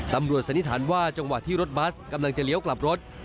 สันนิษฐานว่าจังหวะที่รถบัสกำลังจะเลี้ยวกลับรถ